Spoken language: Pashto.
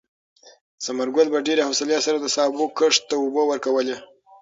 ثمر ګل په ډېرې حوصلې سره د سابو کښت ته اوبه ورکولې.